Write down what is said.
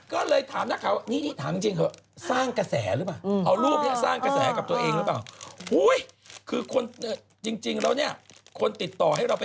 ก็ดูสิแองจี้ถ้าสมมุติรูปนี้ลงอีบ๊าจะไปดูชุดโดนไม่นะ